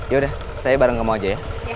yaudah saya bareng ngomong aja ya